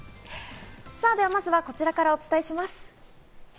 さあ、ではまずはこちらからお伝えします。